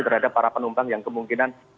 terhadap para penumpang yang kemungkinan